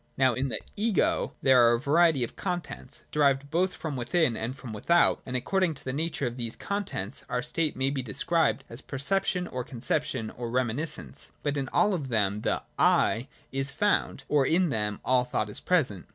Now in the ' Ego ' there are a variety of contents, derived both from within and from without, and according to the nature of these contents our state may be described as perception, or con ception, or reminiscence. But in all of them the 'I' is/ found : or in them all thought is present.